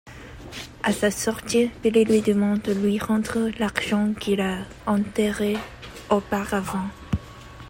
À sa sortie, Billy lui demande de lui rendre l'argent qu'il a enterré auparavant.